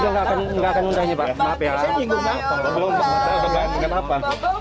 pak saya juga nggak akan nuntahnya pak maaf ya